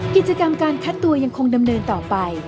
กิจกรรมการคัดตัวยังคงดำเนินต่อไป